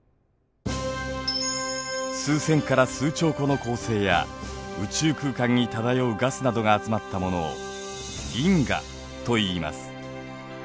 数千から数兆個の恒星や宇宙空間に漂うガスなどが集まったものを銀河といいます。